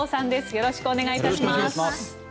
よろしくお願いします。